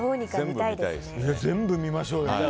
全部見ましょうよ。